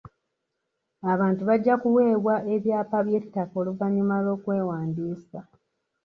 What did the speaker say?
Abantu bajja kuweebwa ebyapa by'ettaka oluvannyuma lw'okwewandiisa.